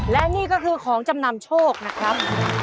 และนี่ก็คือของจำนำโชคนะครับ